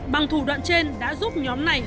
bằng thủ đoạn trên đã giúp nhóm này